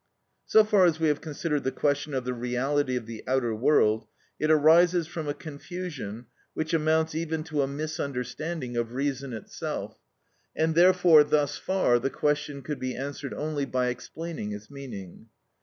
So far as we have considered the question of the reality of the outer world, it arises from a confusion which amounts even to a misunderstanding of reason itself, and therefore thus far, the question could be answered only by explaining its meaning.